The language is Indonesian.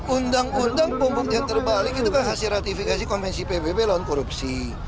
undang undang pembuktian terbalik itu kan hasil ratifikasi konvensi pbb lawan korupsi